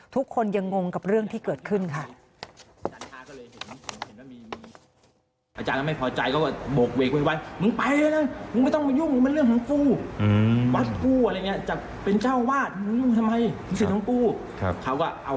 ทุกคนยังงงกับเรื่องที่เกิดขึ้นค่ะ